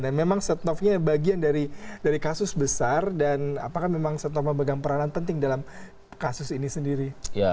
dan memang setnovnya bagian dari kasus besar dan apakah memang setnov memegang peranan penting dalam kasus ini sendiri